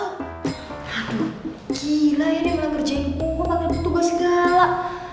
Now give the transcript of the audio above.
aduh gila ya dia malah kerjain gue pake petugas segala